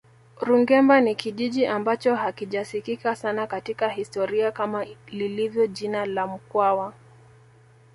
Rungemba ni kijiji ambacho hakijasikika sana katika historia kama lilivyo jina la mkwawa